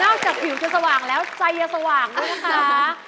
นอกจากผิวคือสว่างแล้วใจจะสว่างด้วยค่ะ